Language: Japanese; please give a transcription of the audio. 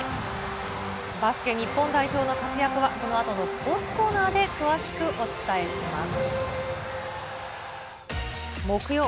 バスケ日本代表の活躍はこのあとのスポーツコーナーで詳しくお伝えします。